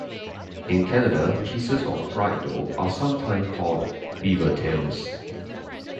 In Canada, pieces of fried dough are sometimes called beaver tails.